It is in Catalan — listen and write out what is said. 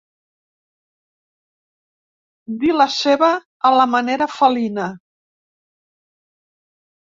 Dir la seva a la manera felina.